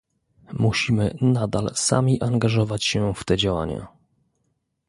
Musimy nadal sami angażować się w te działania